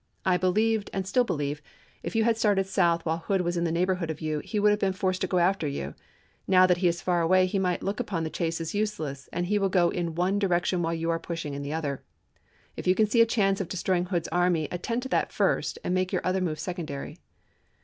I believed, and still believe, if you had started south while Hood was in the neighborhood of you, he would have been forced to go after you. Now that he is far away he might look upon the chase as useless, and he will go in one direction while you are pushing in the other. If you can see a chance of destroy ing Hood's army attend to that first, and make your other move secondary."